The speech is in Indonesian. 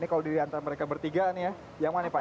ini kalau di antara mereka bertiga nih ya yang mana pak